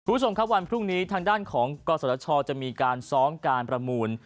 คุณผู้ชมครับวันพรุ่งนี้ทางด้านของกศชจะมีการซ้อมการประมูล